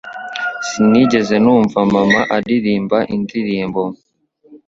Sinigeze numva mama aririmba indirimbo